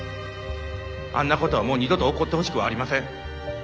あんなことはもう二度と起こってほしくはありません。